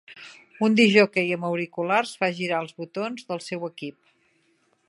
Un discjòquei amb auriculars fa girar els botons del seu equip.